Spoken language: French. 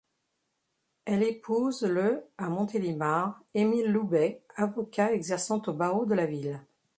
Elle épouse, le à Montélimar, Émile Loubet, avocat exerçant au barreau de la ville.